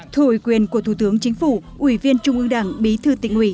thủ quyền của thủ tướng chính phủ ủy viên trung ương đảng bí thư tịnh uỷ